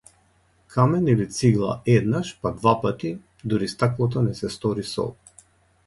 Камен или цигла, еднаш, па двапати, дури стаклото не се стори сол.